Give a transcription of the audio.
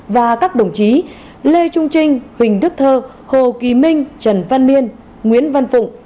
và các đồng chí lê trung trinh huỳnh đức thơ hồ kỳ minh trần văn miên nguyễn văn phụng